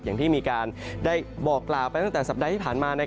อย่างที่มีการได้บอกกล่าวไปตั้งแต่สัปดาห์ที่ผ่านมา